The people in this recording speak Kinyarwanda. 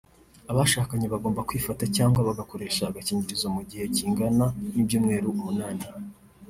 abashakanye bagomba kwifata cyangwa bagakoresha agakingirizo mu gihe kingana n’ibyumweru umunani